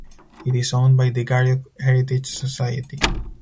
It is owned by the Garioch Heritage Society.